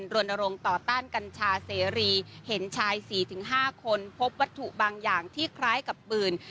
รณรงค์ต่อต้านกัญชาเสรีเห็นชาย๔๕คนพบวัตถุบางอย่างที่คล้ายกับปืน